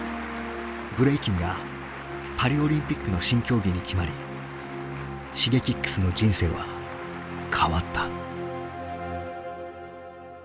ブレイキンがパリ・オリンピックの新競技に決まりＳｈｉｇｅｋｉｘの人生は変わった。